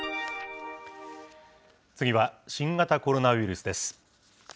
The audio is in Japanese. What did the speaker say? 次は新型コロナウイルスです。